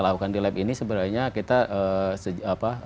lakukan di lab ini sebenarnya kita